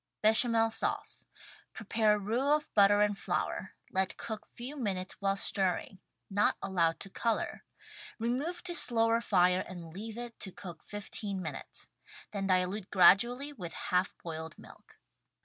Bechamel Sauce. Prepare roux of butter and flour, let cook few minutes while stirring — not allow to color — remove to slower fire and leave it to cook 15 minutes. Then dilute gradually with half boiled milk.